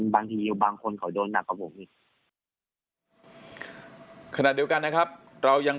บางทีอยู่บางคนเขาโดนหลังผมขณะเดียวกันนะครับเรายัง